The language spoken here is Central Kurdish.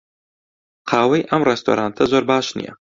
قاوەی ئەم ڕێستۆرانتە زۆر باش نییە.